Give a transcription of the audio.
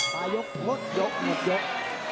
ตายกลดยกหมดยกหมดยก